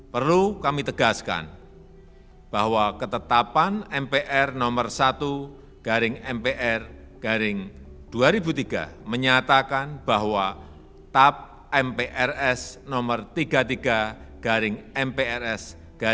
perlu kami tegaskan bahwa ketetapan mpr no satu mpr dua ribu tiga menyatakan bahwa tap mprs no tiga puluh tiga mprs seribu sembilan ratus enam puluh tujuh